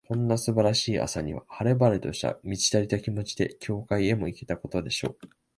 こんな素晴らしい朝には、晴れ晴れとした、満ち足りた気持ちで、教会へも行けたことでしょう。